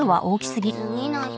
次の人。